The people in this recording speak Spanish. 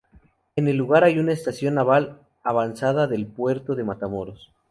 En el lugar hay una estación naval avanzada del puerto de Matamoros.